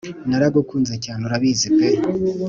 naragukunze cyane urabizi pe